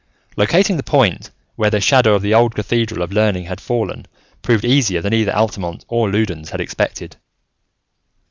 Locating the point where the shadow of the old Cathedral of Learning had fallen proved easier than either Altamont or Loudons had expected.